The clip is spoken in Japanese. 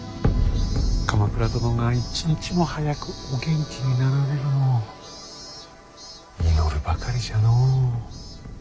鎌倉殿が一日も早くお元気になられるのを祈るばかりじゃのう。